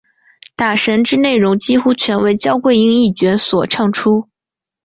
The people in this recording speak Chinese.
打神之内容几乎全为焦桂英一角所唱出。